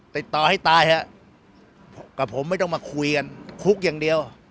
ติดต่อให้ตายฮะกับผมไม่ต้องมาคุยกันคุกอย่างเดียว